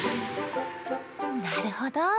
なるほど。